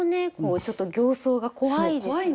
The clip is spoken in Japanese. ちょっと形相が怖いですよね。